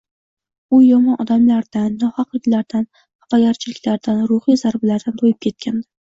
U yomon odamlardan, nohaqliklardan, hafagarchiliklardan – ruhiy zarbalardan to’yib ketgandi.